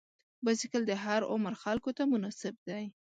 بایسکل د هر عمر خلکو ته مناسب دی.